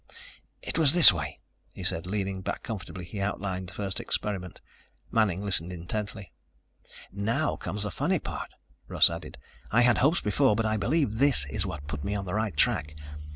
"It was this way," he said. Leaning back comfortably he outlined the first experiment. Manning listened intently. "Now comes the funny part," Russ added. "I had hopes before, but I believe this is what put me on the right track.